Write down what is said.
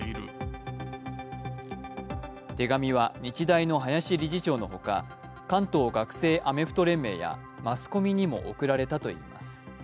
手紙は日大の林理事長のほか、関東学生アメフト連盟やマスコミにも送られたといいます。